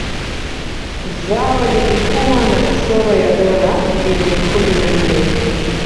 Zao lilikuwa na kasoro ya dola bilioni kumi na nne